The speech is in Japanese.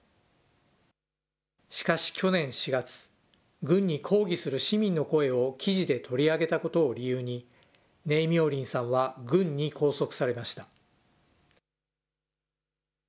しかし去年４月、軍に抗議する市民の声を記事で取り上げたことを理由に、ネイ・ミョー・リンさんは軍に拘束されました。